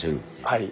はい。